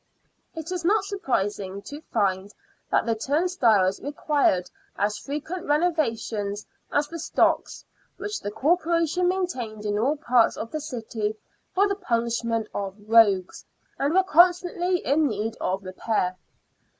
It is not surprising to find that the turnstiles required as frequent renovations as the stocks, which the Corporation maintained in all parts of the city for the punishment of rogues, and were constantly in need of repair.